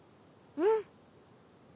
うん。